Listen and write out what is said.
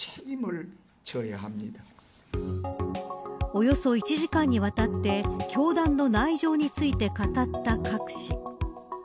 およそ１時間にわたって教団の内情について語ったカク氏。